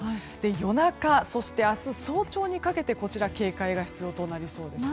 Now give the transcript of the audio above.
夜中、そして明日早朝にかけて警戒が必要となりそうです。